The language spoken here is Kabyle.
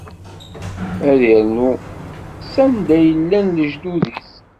Ad irnu s anda i llan lejdud-is.